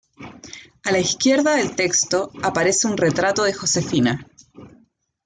A la izquierda del texto, aparece un retrato de Josefina.